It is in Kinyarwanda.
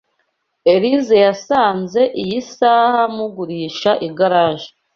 Elyse yasanze iyi saha mugurisha igaraje.